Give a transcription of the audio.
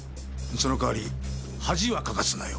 その代わり恥はかかすなよ。